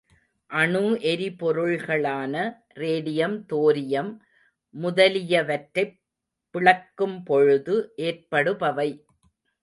அணு எரிபொருள்களான radium, thorium முதலியவற்றைப் பிளக்கும்பொழுது ஏற்படுபவை.